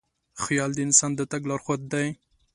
خیال د انسان د تګ لارښود دی.